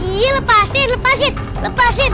iya lepasin lepasin